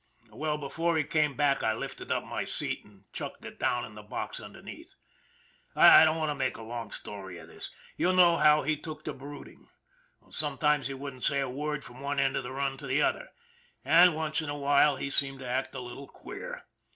Well, before he came back, I lifted up my seat and chucked it down in the box underneath. I don't want to make a long story of this. You know how he took to brooding. Sometimes he wouldn't say a word from one end of the run to the other. And once in a while he seemed to act a little queer.